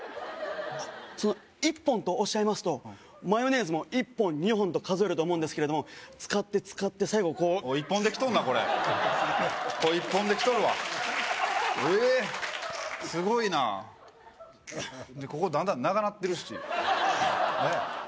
あっその一本とおっしゃいますとマヨネーズも一本二本と数えると思うんですけれども使って使って最後こうもう一本で来とるなこれこれ一本で来とるわええすごいなでここだんだん長なってるしえっ